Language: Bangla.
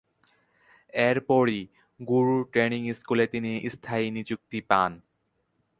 এরপরই 'গুরু ট্রেনিং' স্কুলে তিনি স্থায়ী নিযুক্তি পান।